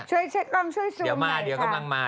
ช่วยเช็คคลับช่วยซูมเลยค่ะเดี๋ยวมาเดี๋ยวกำลังมา